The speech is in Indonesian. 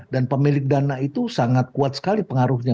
dan pemilik dana itu sangat kuat sekali pengaruhnya